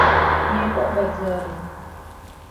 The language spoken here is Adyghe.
Некӏо бэдзэрым!